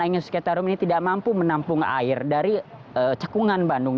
pemerintah pemerintah yang mencapai seratus km ini tidak mampu menampung air dari cekungan bandung